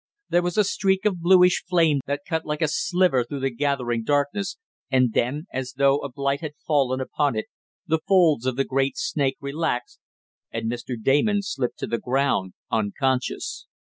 There was a streak of bluish flame that cut like a sliver through the gathering darkness, and then, as though a blight had fallen upon it, the folds of the great snake relaxed, and Mr. Damon slipped to the ground unconscious.